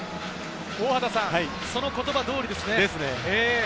その言葉通りですね。